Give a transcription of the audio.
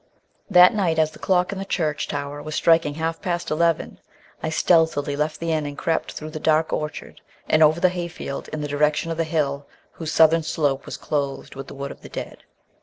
That night, as the clock in the church tower was striking half past eleven, I stealthily left the inn and crept through the dark orchard and over the hayfield in the direction of the hill whose southern slope was clothed with the Wood of the Dead.